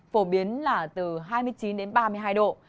phổ biến là từ hai mươi chín đến ba mươi hai độ